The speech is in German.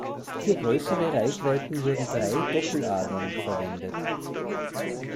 Für größere Reichweiten wurden drei Doppeladern verwendet.